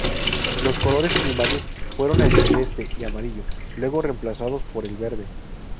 Los colores primarios fueron el celeste y amarillo, luego reemplazados por el verde.